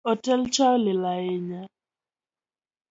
Otel cha olil ahinya